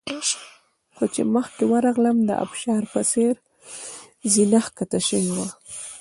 خو چې مخکې ورغلم د ابشار په څېر زینه ښکته شوې وه.